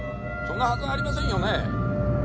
「そんなはずはありませんよね？」